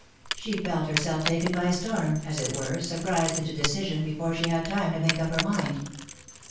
She felt herself taken by storm, as it were, surprised into decision before she had time to make up her mind.